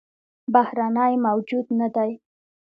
بهرنى موجود نه دى